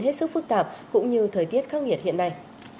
hết sức phức tạp cũng như thời tiết khắc nghiệt hiện nay